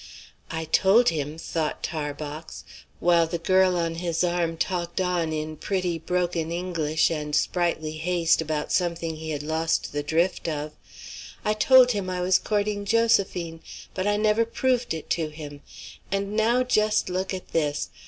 "I told him," thought Tarbox, while the girl on his arm talked on in pretty, broken English and sprightly haste about something he had lost the drift of "I told him I was courting Josephine. But I never proved it to him. And now just look at this!